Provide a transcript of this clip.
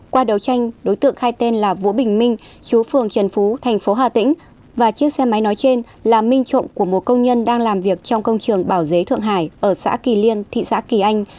qua đấu tranh đối tượng khai tên là vũ bình minh chú phường trần phú thành phố hà tĩnh và chiếc xe máy nói trên là minh trộm của một công nhân đang làm việc trong công trường bảo dế thượng hải ở xã kỳ liên thị xã kỳ anh